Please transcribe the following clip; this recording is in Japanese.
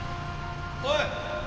おい！